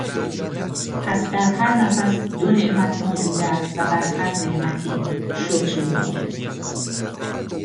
پس در هر نفس دو نعمت موجود است و بر هر نعمتی شکری واجب